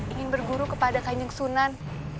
ingin berguru kepada kanjeng sunan